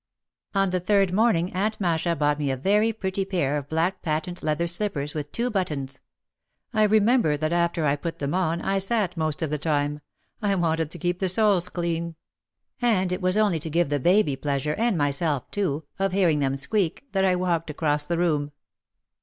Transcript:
On the third morning Aunt Masha bought me a very pretty pair of black patent leather slippers with two but tons. I remember that after I put them on, I sat most of the time. I wanted to keep the soles clean. And it was only to give baby the pleasure and myself, too, of hearing them squeak, that I walked across the room.